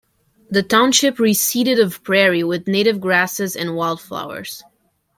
The township reseeded of prairie with native grasses and wildflowers.